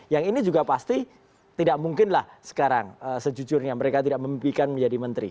yang ini juga pasti tidak mungkinlah sekarang sejujurnya mereka tidak memimpikan menjadi menteri